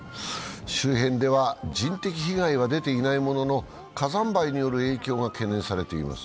周辺では人的被害は出ていないものの、火山灰による影響が懸念されています。